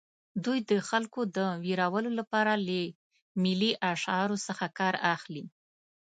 دوی د خلکو د ویرولو لپاره له ملي شعارونو څخه کار اخلي